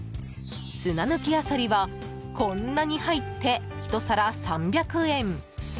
砂抜きアサリはこんなに入って１皿３００円。